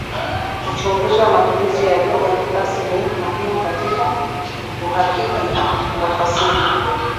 Uchunguzi wa matumizi ya lugha basi ni muhimu katika uhakiki wa fasihi